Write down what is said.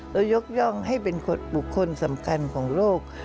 ยกย่องให้เป็นบุคคลสำคัญของโลก